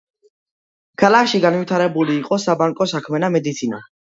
ქალაქში განვითარებული იყო საბანკო საქმე და მედიცინა.